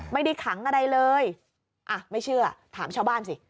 ไม่ได้ขังอะไรเลยอ่ะไม่เชื่อถามชาวบ้านสิ